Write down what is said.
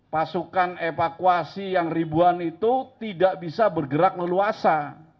pasukan evakuasi yang ribuan itu tidak bisa bergerak leluasa